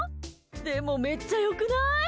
でも、めっちゃ良くない？